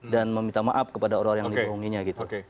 dan meminta maaf kepada orang orang yang dibohonginya gitu